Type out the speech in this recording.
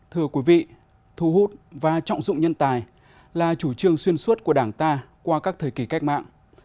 thưa quý vị thu hút và trọng dụng nhân tài là chủ trương xuyên suốt của đảng ta qua các thời kỳ cách mạng